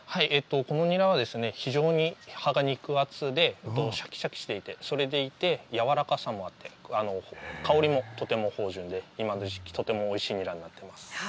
このニラは非常に葉が肉厚で、しゃきしゃきしていて、それでいてやわらかさもあって、香りもとても芳醇で今の時期、とてもおいしいニラになってます。